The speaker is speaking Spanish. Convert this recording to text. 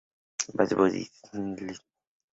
Beat", "Bad Boy", "Cuts Both Ways" y "Live for Loving You".